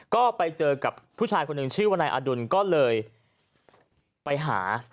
ก็ไปเจอกับผู้ชายคนหนึ่งชื่อว่านายอดุลก็เลยไปหา